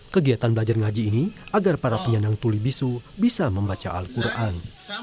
kegiatan belajar ngaji ini agar para penyandang tuli bisu bisa membaca al quran